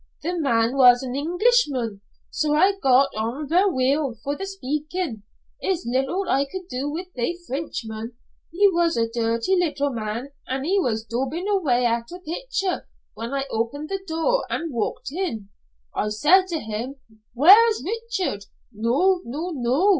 The man was an Englishman, so I got on vera weel for the speakin'. It's little I could do with they Frenchmen. He was a dirty like man, an' he was daubin' away at a picture whan I opened the door an' walked in. I said to him, 'Whaur's Richard' no, no, no.